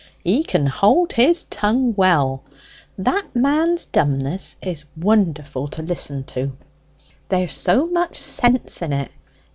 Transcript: He can hold his tongue well. That man's dumbness is wonderful to listen to." "There's so much sense in it.